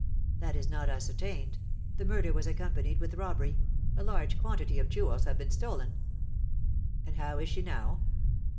"That is not ascertained; the murder was accompanied with robbery; a large quantity of jewels have been stolen." "And how is she now?"